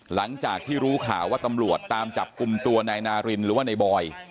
หลังจากที่รู้ข่าวว่าตำรวจตามจับกลุ่มตัวนายนารินหรือว่าในบอย